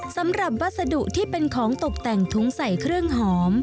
วัสดุที่เป็นของตกแต่งถุงใส่เครื่องหอม